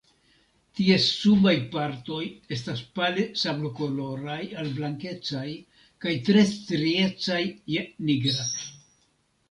Ties subaj partoj estas pale sablokoloraj al blankecaj kaj tre striecaj je nigra.